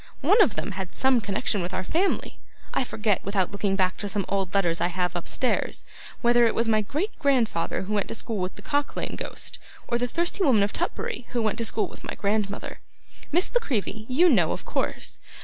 One of them had some connection with our family. I forget, without looking back to some old letters I have upstairs, whether it was my great grandfather who went to school with the Cock lane Ghost, or the Thirsty Woman of Tutbury who went to school with my grandmother. Miss La Creevy, you know, of course.